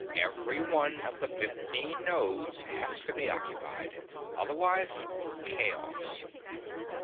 Every one of the fifteen nodes has to be occupied. Otherwise chaos."